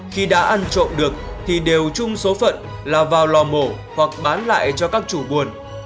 khi đã ăn trộm được thì đều chung số phận là vào lò mổ hoặc bán lại cho các chủ buồn